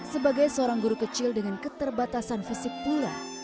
sebagai seorang guru kecil dengan keterbatasan fisik pula